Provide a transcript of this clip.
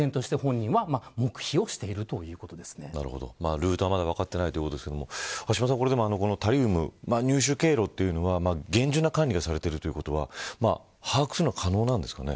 ルートはまだ分かってないということですが橋下さん、このタリウム入手経路は厳重な管理がされているということは把握するのは可能なんですかね。